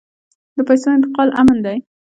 د پیسو انتقال امن دی؟